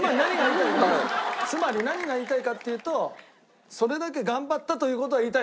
つまり何が言いたいかっていうとそれだけ頑張ったという事が言いたいんです。